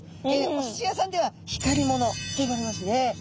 おすし屋さんでは光り物と呼ばれますね。